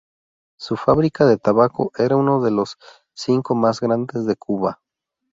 Su fábrica de tabaco era una de los cinco más grandes de Cuba.